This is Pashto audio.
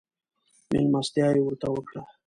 مېلمستيا يې ورته وکړه.